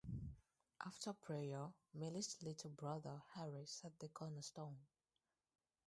After prayer, Millie's little brother, Harry, set the cornerstone.